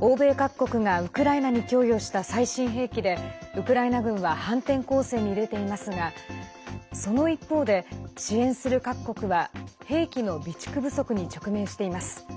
欧米各国がウクライナに供与した最新兵器でウクライナ軍は反転攻勢に出ていますがその一方で支援する各国は兵器の備蓄不足に直面しています。